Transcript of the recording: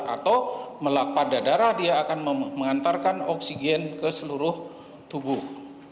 atau pada darah dia akan mengantarkan oksigen ke seluruh tubuh